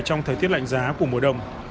trong thời tiết lạnh giá của mùa đông